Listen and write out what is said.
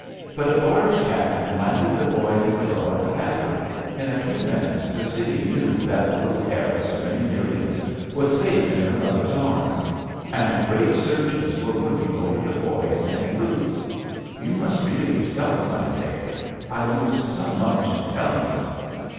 But a barge captain landed the boy and girl at the Battery. In a few minutes the city knew that the little heiress to many millions was safe in her mother's arms. And great surgeons were working over the boy in St. Luke's. You must read it your self some day. I lose so much in telling it."